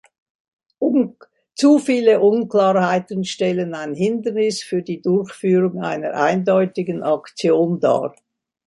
Zu viele Unklarheiten stellen ein Hindernis für die Durchführung einer eindeutigen Aktion dar.